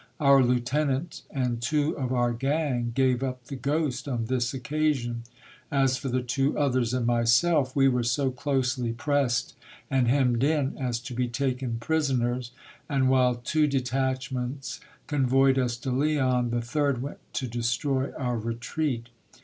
Our lieutenant and two of our gang gave up the ghost on this occasion. As for the two others and myself, we were so closely pressed and hemmed in, as to be taken prisoners : and, while two detachments convoyed us to Leon, the third went to destroy our retreat.